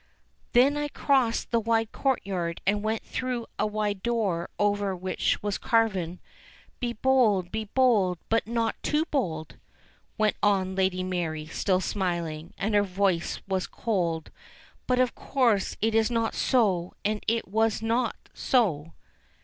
"Then I crossed the wide courtyard and went through a wide door over which was carven : BE BOLD, BE BOLD, BUT NOT TOO BOLD," went on Lady Mary, still smiling, and her voice was cold ; "but, of course, it is. not so and it was not so."